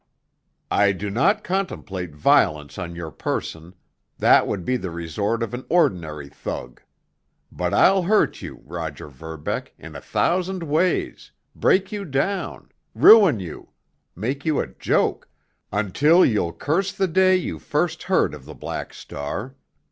I do not contemplate violence on your person—that would be the resort of an ordinary thug. But I'll hurt you, Roger Verbeck, in a thousand ways, break you down, ruin you, make you a joke, until you'll curse the day you first heard of the Black Star.